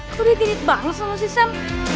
kok dia genit banget sama si sem